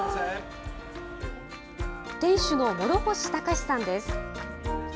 店主の諸星卓さんです。